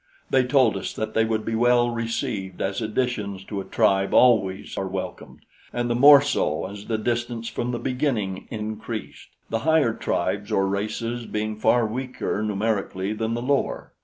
They told us that they would be well received as additions to a tribe always are welcomed, and the more so as the distance from the beginning increased, the higher tribes or races being far weaker numerically than the lower.